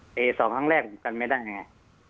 แต่สองครั้งแรกผมกันไม่ได้ไง